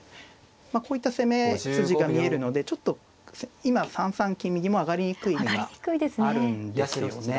こういった攻め筋が見えるのでちょっと今３三金右も上がりにくい意味はあるんですよね。